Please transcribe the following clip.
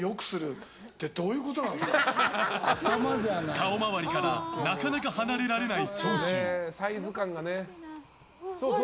顔周りからなかなか離れられない長州。